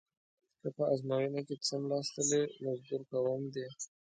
که په ازموینه کې څملاستلې مزدور کوم دې.